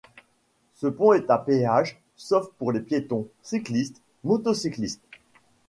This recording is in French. Ce pont est à péage, sauf pour les piétons, cyclistes, motocyclistes.